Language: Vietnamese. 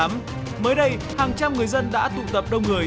mới đây hàng trăm người dân đã tụ tập đông người